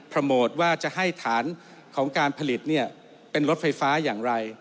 โมทว่าจะให้ฐานของการผลิตเป็นรถไฟฟ้าอย่างไร